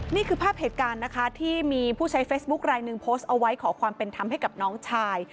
นี่คือภาพเหตุการณ์นะคะที่มีผู้ใช้เฟซบุ๊คลายหนึ่งโพสต์เอาไว้ขอความเป็นธรรมให้กับน้องชาย